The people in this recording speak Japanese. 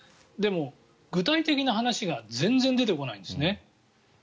でも、具体的な話が全然出てこないんですね。